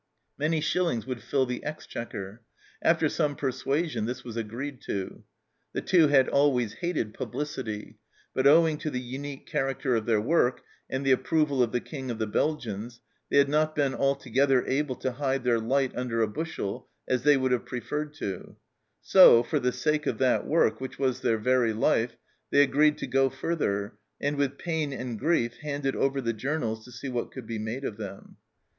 Many shillings would fill the exchequer. After some persuasion this was agreed to. The Two had always hated publicity, but owing to the unique character of their work and the approval of the King of the Belgians, they had not been altogether able to hide their light under a bushel, as they would have preferred to ; so for the sake of that work, which was their very life, they agreed to go further, and with pain and grief handed over the journals to see what could be made of them.